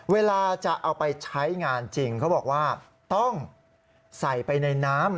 เวลาจะเอาไปใช้งานจริงเขาบอกว่าต้องใส่ไปในน้ำ